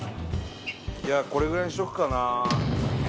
いやこれぐらいにしとくかな。